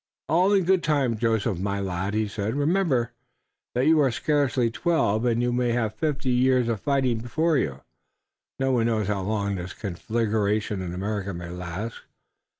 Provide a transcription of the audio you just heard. "All in good time, Joseph, my lad," he said. "Remember that you are scarce twelve and you may have fifty years of fighting before you. No one knows how long this conflagration in America may last.